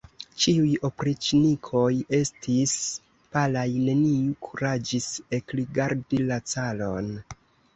Ĉiuj opriĉnikoj estis palaj; neniu kuraĝis ekrigardi la caron.